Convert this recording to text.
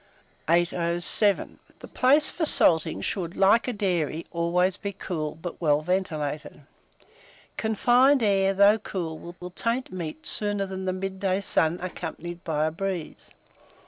807. THE PLACE FOR SALTING SHOULD, like a dairy, always be cool, but well ventilated; confined air, though cool, will taint meat sooner than the midday day sun accompanied by a breeze.